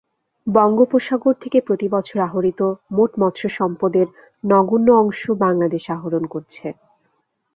বঙ্গোপসাগর থেকে প্রতিবছর আহরিত মোট মৎস্য সম্পদের নগণ্য অংশ বাংলাদেশ আহরণ করছে।